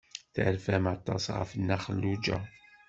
Terfam aṭas ɣef Nna Xelluǧa.